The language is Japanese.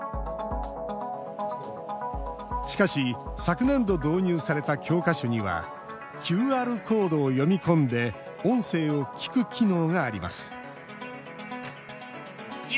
しかし、昨年度導入された教科書にはＱＲコードを読み込んで音声を聞く機能があります